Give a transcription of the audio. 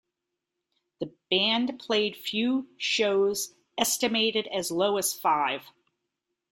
The band played few shows, estimated as low as five.